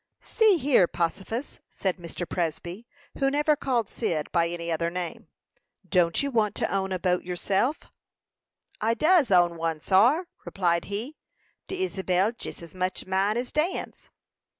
"See here, Possifus," said Mr. Presby, who never called Cyd by any other name; "don't you want to own a boat yourself?" "I does own one, sar," replied he. "De Isabel jus as much mine as Dan's."